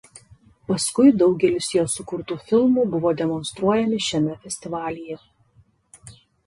Paskui daugelis jo sukurtų filmų buvo demonstruojami šiame festivalyje.